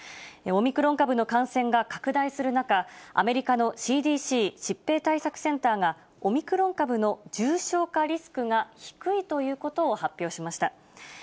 オミクロン株の感染が拡大する中、アメリカのＣＤＣ・疾病対策センターが、オミクロン株の重症化リスクが低いということを発表しました。